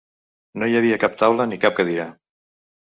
No hi havia cap taula ni cap cadira.